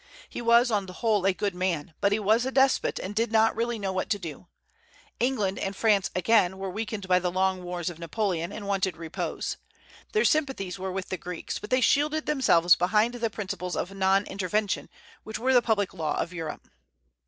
He was, on the whole, a good man; but he was a despot, and did not really know what to do. England and France, again, were weakened by the long wars of Napoleon, and wanted repose. Their sympathies were with the Greeks; but they shielded themselves behind the principles of non intervention, which were the public law of Europe.